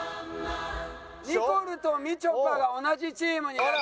ニコルとみちょぱが同じチームになっております。